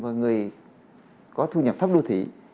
và người có thu nhập thấp đô thị